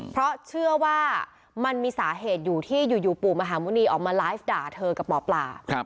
เพราะเชื่อว่ามันมีสาเหตุอยู่ที่อยู่ปู่มหาหมุณีออกมาไลฟ์ด่าเธอกับหมอปลา